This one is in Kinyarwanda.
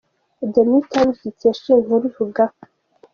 The Newtimes dukesha iyi nkuru ivuga Amb.